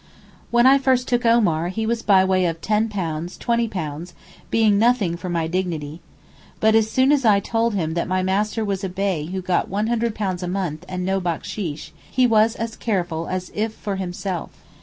When I first took Omar he was by way of 'ten pounds, twenty pounds,' being nothing for my dignity. But as soon as I told him that 'my master was a Bey who got £100 a month and no backsheesh,' he was as careful as if for himself.